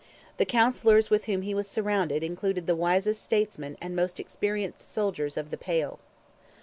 The counsellors with whom he was surrounded included the wisest statesmen and most experienced soldiers of "the Pale."